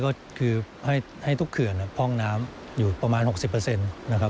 ก็คือให้ทุกเขือนพ่องน้ำอยู่ประมาณ๖๐เปอร์เซ็นต์